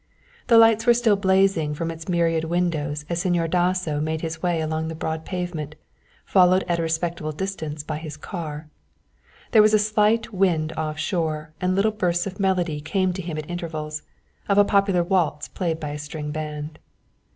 The lights were still blazing from its myriad windows as Señor Dasso made his way along the broad pavement, followed at a respectful distance by his car. There was a slight wind off shore and little bursts of melody came to him at intervals, of a popular waltz played by a string band.